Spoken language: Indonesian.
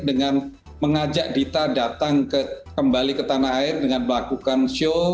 dengan mengajak dita datang kembali ke tanah air dengan melakukan show